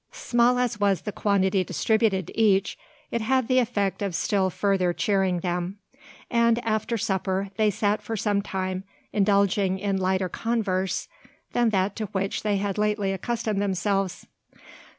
Small as was the quantity distributed to each, it had the effect of still further cheering them; and, after supper, they sat for some time indulging in lighter converse than that to which they had lately accustomed themselves.